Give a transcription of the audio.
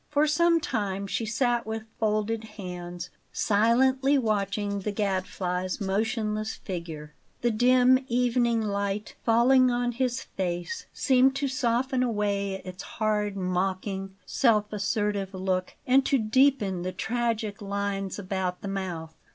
For some time she sat with folded hands, silently watching the Gadfly's motionless figure. The dim evening light, falling on his face, seemed to soften away its hard, mocking, self assertive look, and to deepen the tragic lines about the mouth.